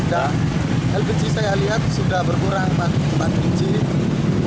dan lpg saya lihat sudah berkurang empat buah